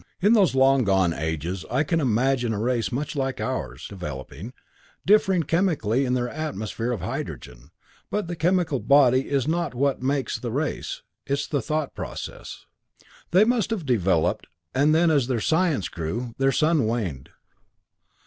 "In those long gone ages I can imagine a race much like ours developing, differing chemically, in their atmosphere of hydrogen; but the chemical body is not what makes the race, it's the thought process. They must have developed, and then as their science grew, their sun waned.